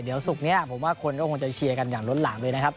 เดี๋ยวศุกร์นี้ผมว่าคนก็คงจะเชียร์กันอย่างล้นหลามเลยนะครับ